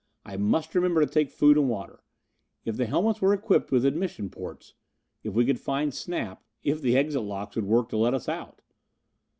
I must remember to take food and water. If the helmets were equipped with admission ports. If we could find Snap. If the exit locks would work to let us out.